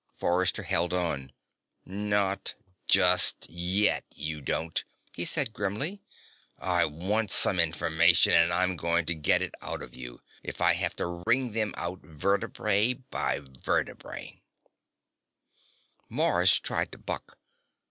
Forrester held on. "Not just yet you don't," he said grimly. "I want some information, and I'm going to get it out of you if I have to wring them out vertebra by vertebra." Mars tried to buck.